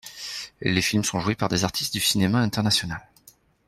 Les films sont joués par des artistes du cinéma international.